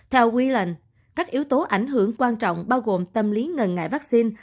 theo whalen các yếu tố ảnh hưởng quan trọng bao gồm tâm lý ngần ngại vaccine